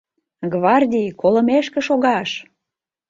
— Гвардий, колымешке шогаш!